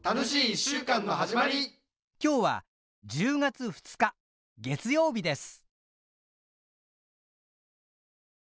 今日は１０月２日月曜日です。